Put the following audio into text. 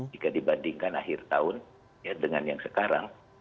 jika dibandingkan akhir tahun dengan yang sekarang